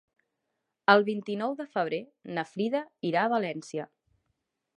El vint-i-nou de febrer na Frida irà a València.